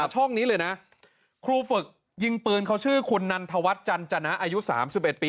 ช่องนี้เลยนะครูฝึกยิงปืนเขาชื่อคุณนันทวัฒน์จันจนะอายุ๓๑ปี